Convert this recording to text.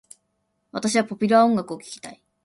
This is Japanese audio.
私はポピュラー音楽を聞きたい。